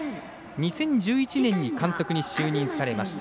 ２０１１年に監督に就任されました。